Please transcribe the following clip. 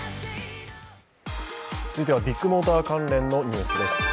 続いてはビッグモーター関連のニュースです。